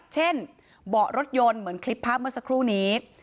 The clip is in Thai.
เช่นเบาะรถยนต์เหมือนคลิปภาพเมื่อสักครู่นี้